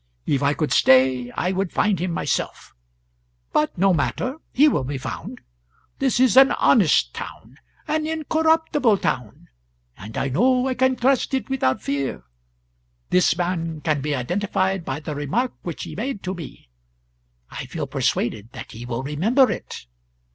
If I could stay, I would find him myself; but no matter, he will be found. This is an honest town, an incorruptible town, and I know I can trust it without fear. This man can be identified by the remark which he made to me; I feel persuaded that he will remember it.